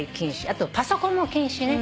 あとパソコンも禁止ね。